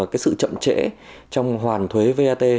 cái sự chậm trễ trong hoàn thuế vat